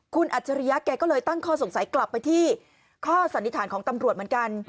คุณอัจฉริยะแกก็เลยตั้งข้อสงสัยกลับไปที่ข้อสันนิษฐานของตำรวจเหมือนกัน